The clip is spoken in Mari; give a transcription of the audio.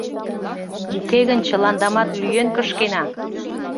— Уке гын чыландамат лӱен кышкена!